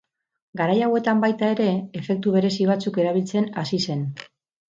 Garai hauetan baita ere, efektu berezi batzuk erabiltzen hasi zen.